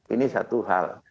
ini satu hal